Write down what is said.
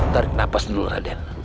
tarik nafas dulu raden